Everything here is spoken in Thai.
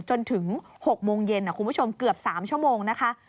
จนถึง๖โมงเย็นคุณผู้ชมเกือบ๓ชั่วโมงนะคะ